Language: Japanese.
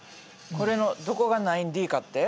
これのどこが９Ｄかって？